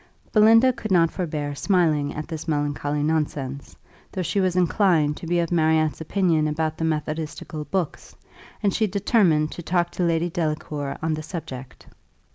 Belinda could not forbear smiling at this melancholy nonsense; though she was inclined to be of Marriott's opinion about the methodistical books, and she determined to talk to Lady Delacour on the subject.